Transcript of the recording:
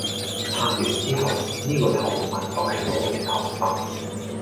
拍完之後，呢個頭髮就係我嘅頭髮